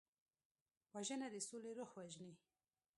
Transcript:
وژنه د سولې روح وژني